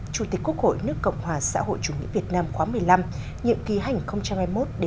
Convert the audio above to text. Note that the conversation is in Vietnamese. chủ tịch quốc hội nước cộng hòa xã hội chủ nghĩa việt nam khóa một mươi năm nhiệm ký hành hai mươi một đến hành hai mươi sáu